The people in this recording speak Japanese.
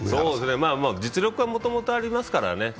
実力は、もともとありますからね。